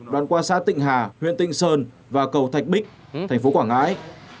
đoạn qua xã tịnh hà huyện tịnh sơn và cầu thạch bích thành phố quảng ngãi